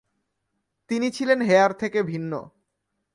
তিনি ছিলেন হেয়ার থেকে ভিন্ন।